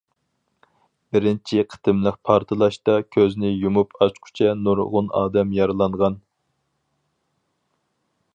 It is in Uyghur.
بىرىنچى قېتىملىق پارتلاشتا كۆزنى يۇمۇپ ئاچقۇچە نۇرغۇن ئادەم يارىلانغان.